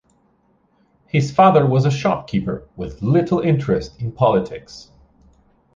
His father was a shopkeeper with little interest in politics.